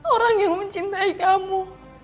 orang yang mencintai kamu